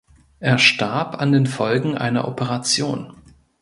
Er starb an den Folgen einer Operation.